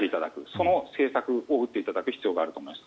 その政策を打っていただく必要があると思います。